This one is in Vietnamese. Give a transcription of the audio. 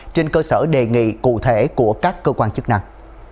trên cơ sở đề nghị cụ thể của các cơ quan chức năng